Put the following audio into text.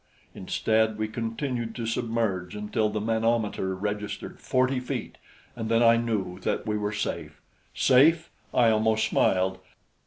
Instead we continued to submerge until the manometer registered forty feet and then I knew that we were safe. Safe! I almost smiled.